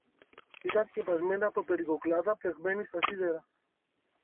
Ήταν σκεπασμένα από περικοκλάδα πλεγμένη στα σίδερα